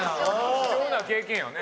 貴重な経験よね。